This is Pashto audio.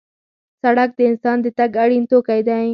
سړک د انسان د تګ اړین توکی دی.